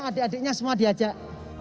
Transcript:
adik adiknya semua diajak